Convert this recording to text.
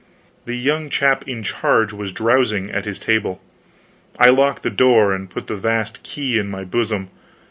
The young chap in charge was drowsing at his table. I locked the door and put the vast key in my bosom.